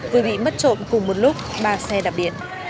vừa bị mất trộm cùng một lúc ba xe đạp điện